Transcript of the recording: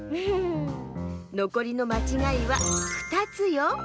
のこりのまちがいは２つよ！